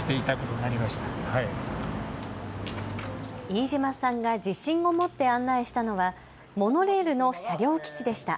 飯嶋さんが自信を持って案内したのはモノレールの車両基地でした。